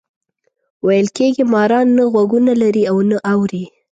ویل کېږي ماران نه غوږونه لري او نه اوري.